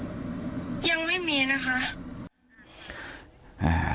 ยังไม่มีนะคะ